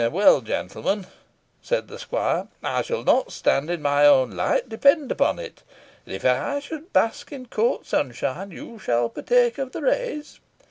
"Well, gentlemen," said the squire, "I shall not stand in my own light, depend upon it; and, if I should bask in court sunshine, you shall partake of the rays.